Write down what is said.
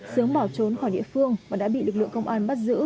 sướng bỏ trốn khỏi địa phương và đã bị lực lượng công an bắt giữ